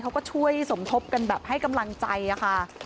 เขาก็ช่วยสมทบกันแบบให้กำลังใจค่ะ